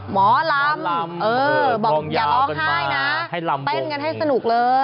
หมอลำบอกอย่าร้องไห้นะเต้นกันให้สนุกเลย